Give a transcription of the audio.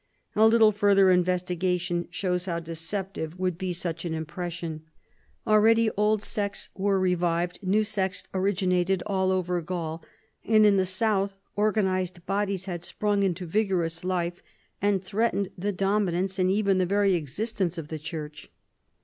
A little further investigation shows how deceptive would be such an impression. Already old sects were revived, new sects originated, all over Gaul, and, in the south, organised bodies had sprung into vigorous life and threatened the dominance and even the very existence of the church.